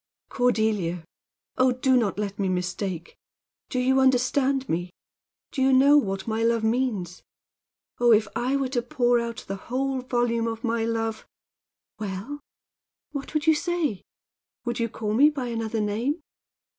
"Cordelia! Oh, do not let me mistake! Do you understand me? Do you know what my love means? Oh, if I were to pour out the whole volume of my love " "Well what would you say? Would you call me by another name?"